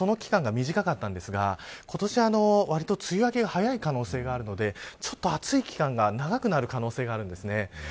去年はわりとその期間が短かったんですが今年は、わりと梅雨明けが早い可能性があるのでちょっと暑い期間が長くなる可能性があります。